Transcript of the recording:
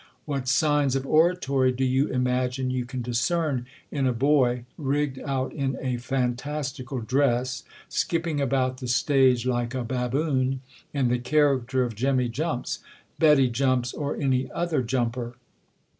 What signs of oratory do you imagine you can discern in a boy, rigged out in a fantastical dress, skipping about the stage like a baboon, in the •character of Jemmy Jumps, Betty Jumps, or any other jumper